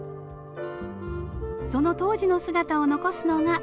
その当時の姿を残すのがこちら。